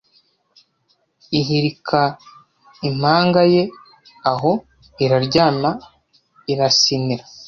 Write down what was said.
ihirika impanga ye aho iraryama irasinira